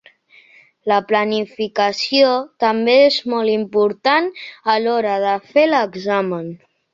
La planificació també és molt important a l’hora de fer l’examen.